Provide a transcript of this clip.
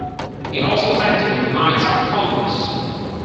He also was active in the Knights of Columbus.